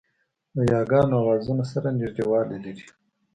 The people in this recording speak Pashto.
د یاګانو آوازونه سره نږدېوالی لري